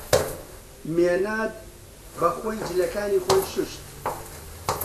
مێناد بەخۆی جلەکانی خۆی شووشت.